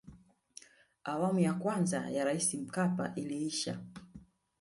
awamu ya kwanza ya raisi mkapa iliisha